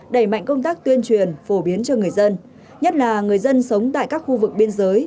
đẩy mạnh công tác tuyên truyền phổ biến cho người dân nhất là người dân sống tại các khu vực biên giới